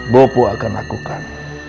bopo akan lakukan